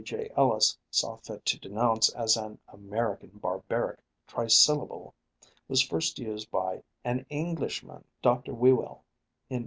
J. Ellis saw fit to denounce as an "American barbaric trisyllable," was first used by an Englishman, Dr. Whewell, in 1840.